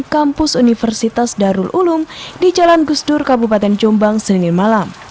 kampus universitas darul ulum di jalan gusdur kabupaten jombang senin malam